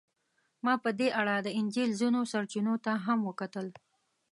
ما په دې اړه د انجیل ځینو سرچینو ته هم وکتل.